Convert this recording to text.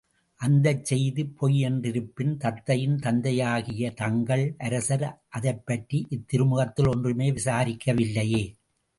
அந்தச் செய்தி பொய் என்றிருப்பினும் தத்தையின் தந்தையாகிய தங்கள் அரசர் அதைப்பற்றி இத்திருமுகத்தில் ஒன்றுமே விசாரிக்கவில்லையே!